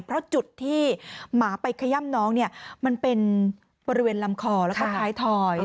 เพราะจุดที่หมาไปขย่ำน้องเนี่ยมันเป็นบริเวณลำคอแล้วก็ท้ายถอย